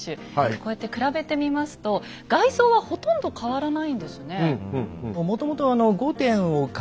こうやって比べてみますと外装はほとんど変わらないんですね。